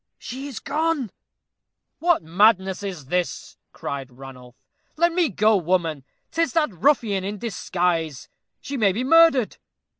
She is gone!" "What madness is this?" cried Ranulph. "Let me go, woman 'tis that ruffian in disguise she may be murdered."